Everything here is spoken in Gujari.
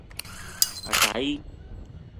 ہٹائی